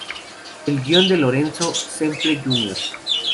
El guion de Lorenzo Semple Jr.